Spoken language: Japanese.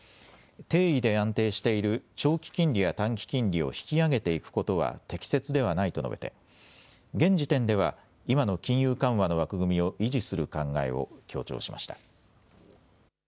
低位で安定している長期金利や短期金利を引き上げていくことは適切ではないと述べて、現時点では今の金融緩和の枠組みを維持する考えを強調しました。